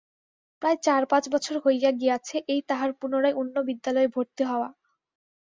প্রায় চার পাঁচ বছর হইয়া গিয়াছে-এই তাহার পুনরায় অন্য বিদ্যালয়ে ভর্তি হওয়া।